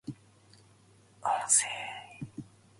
音声